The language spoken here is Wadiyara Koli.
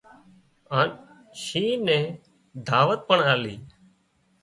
هانَ شينهن نين دعوت پڻ آلي